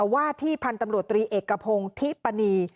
ว่าที่พันธุ์ตำรวจตรีเอกพงศ์ทิปณี